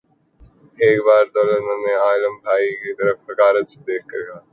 ایک بار دولت مند نے عالم بھائی کی طرف حقارت سے دیکھ کر کہا